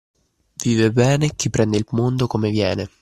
Vive bene chi prende il mondo come viene.